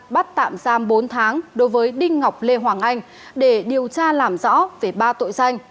bắt tạm giam bốn tháng đối với đinh ngọc lê hoàng anh để điều tra làm rõ về ba tội danh